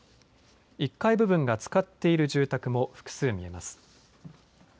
１階部分がつかっている住宅も複数見えます。